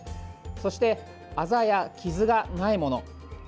そして、あざや傷がないもの。